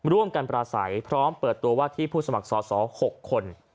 ร่วมกันปราศัยพร้อมเปิดตัวว่าที่ผู้สมัครสอสอ๖คน